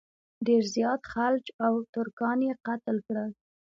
ډېر زیات خلج او ترکان یې قتل کړل.